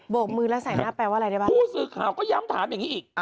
กมือแล้วใส่หน้าแปลว่าอะไรได้บ้างผู้สื่อข่าวก็ย้ำถามอย่างนี้อีก